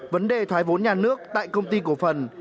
vấn đề thoái vốn nhà nước tại công ty cổ phần